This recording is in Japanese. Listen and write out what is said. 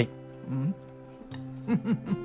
うん。